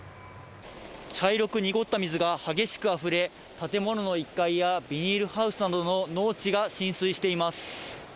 茶色く濁った水が激しくあふれ、建物の１階や、ビニールハウスなどの農地が浸水しています。